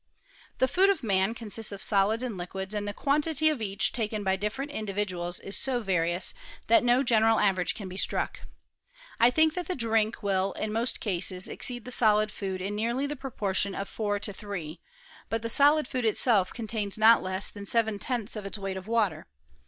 The food of man consists of solids and liquids. OF THE PRESENT STATE OF CHEMISTRY. 319 and the quantity of each taken by different in dividuals is 80 various, that no general average can be struck. I think that the drink will, in most cases, exceed the solid food in nearly the proportion of 4 to 3 ; but the solid food itself contains not less than 7 1 0 ths of its weight of water.